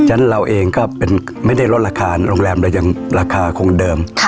ฉะนั้นเราเองก็ไม่ได้ลดราคาโรงแรมเรายังราคาคงเดิม